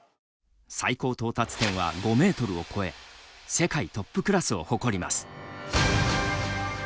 最高到達点は５メートルを超え世界トップクラスを誇ります。